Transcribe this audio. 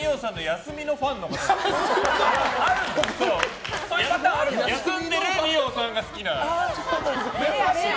休んでる二葉さんが好きな。